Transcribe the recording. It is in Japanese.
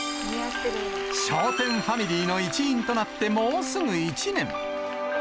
笑点ファミリーの一員となって、もうすぐ１年。